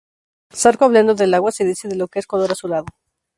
Zarco: hablando del agua, se dice de la que es color azulado.